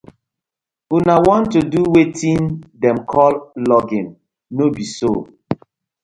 Una wan to do weten dem call logging, no bi so?